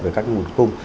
về các nguồn cung